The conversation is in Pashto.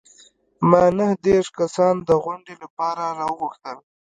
ما نهه دیرش کسان د غونډې لپاره راوغوښتل.